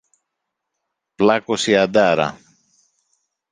Πλάκωσε η αντάρα!